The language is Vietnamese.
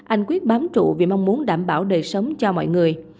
anh quyết bám trụ vì mong muốn đảm bảo đời sống cho mọi người